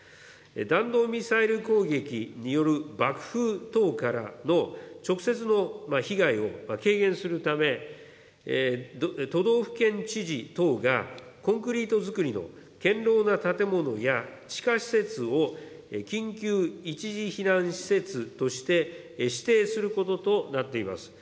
弾道ミサイル攻撃による爆風等からの直接の被害を軽減するため、都道府県知事等がコンクリート造りの堅牢な建物や地下施設を緊急一時避難施設として指定することとなっています。